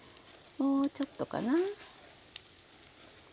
もうちょっとかな。